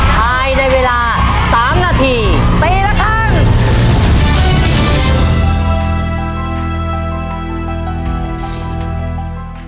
ภายในเวลา๓นาทีปีละครั้ง